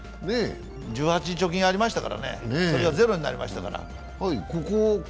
１８の貯金がありましたからね、それがゼロになりましたから。